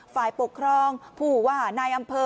ฝ่ายปกครองผู้ว่านายอำเภอ